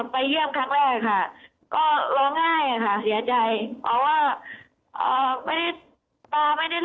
ไปเยี่ยมครั้งแรกค่ะก็ร้องไห้ค่ะเสียใจเพราะว่าป่าไม่ได้ทำนะป่าไม่ได้ผิด